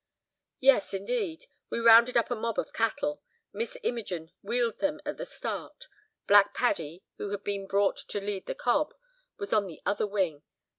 "Yes, indeed; we rounded up a mob of cattle. Miss Imogen 'wheeled' them at the start. Black Paddy, who had been brought to lead the cob, was on the other wing.